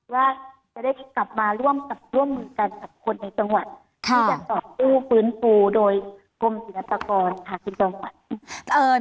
ว่าจะได้กลับมาร่วมร่วมกันกับคนในจังหวัดที่จะกรอบคู่ฟื้นฟูโดยกรมศิลปกรณ์ธนตรีค่ะ